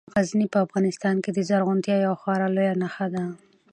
غزني په افغانستان کې د زرغونتیا یوه خورا لویه نښه ده.